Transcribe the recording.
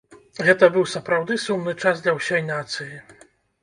Гэта быў сапраўды сумны час для ўсёй нацыі.